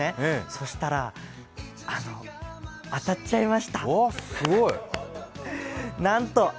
そしたら、当たっちゃいました。